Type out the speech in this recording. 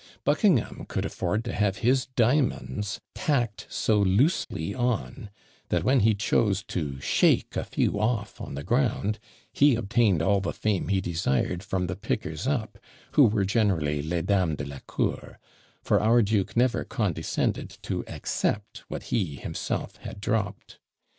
Buckingham could afford to have his diamonds tacked so loosely on, that when he chose to shake a few off on the ground, he obtained all the fame he desired from the pickers up, who were generally les dames de la cour; for our duke never condescended to accept what he himself had dropped.